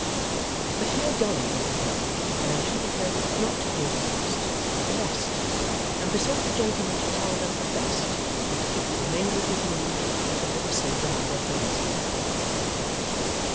But here Dolly interposed, and entreated her not to hear the worst, but the best; and besought the gentleman to tell them the best, and to keep the remainder of his news until they were safe among their friends again.